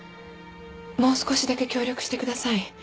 もう少しだけ協力してください。